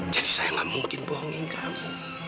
jadi saya tidak mungkin bohongi kamu